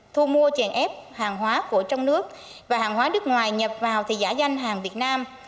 thu mua chèn ép hàng hóa của trong nước và hàng hóa nước ngoài nhập vào thì giả danh hàng việt nam